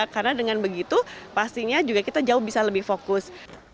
karena dengan begitu pastinya juga kita jauh bisa lebih fokus